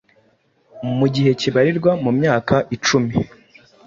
mu gihe kibarirwa mu myaka icumi